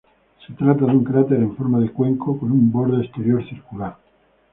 Se trata de un cráter en forma de cuenco, con un borde exterior circular.